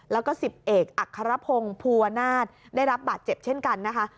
แล้วก็๑๐เอกอัครพงศ์ภูวนาศได้รับบาดเจ็บเช่นกันนะคะ